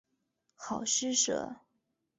好施舍。